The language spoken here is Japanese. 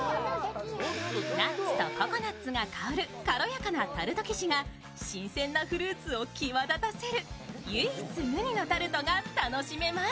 ナッツとココナツが香るタルト生地が新鮮なフルーツを際立たせる唯一無二のタルトが楽しめます。